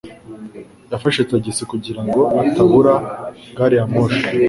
Yafashe tagisi kugira ngo atabura gari ya moshi.